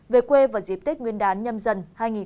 về quê vào dịp tết nguyên đán nhâm dân hai nghìn một mươi hai